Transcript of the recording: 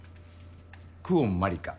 久遠真梨華。